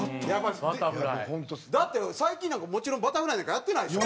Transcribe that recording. だって最近なんかもちろんバタフライなんかやってないでしょ？